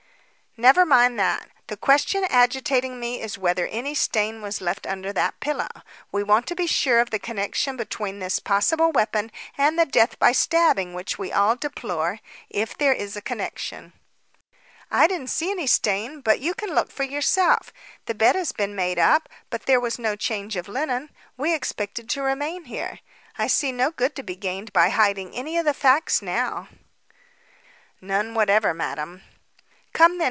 "Never mind that. The question agitating me is whether any stain was left under that pillow. We want to be sure of the connection between this possible weapon and the death by stabbing which we all deplore if there is a connection." "I didn't see any stain, but you can look for yourself. The bed has been made up, but there was no change of linen. We expected to remain here; I see no good to be gained by hiding any of the facts now." "None whatever, Madam." "Come, then.